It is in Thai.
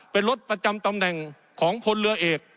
เป็นรถประจำตำแหน่งของพลเรือเอก